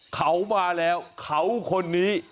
เขามาแล้วเขาคนนี้